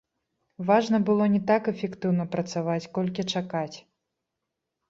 Важна было не так эфектыўна працаваць, колькі чакаць.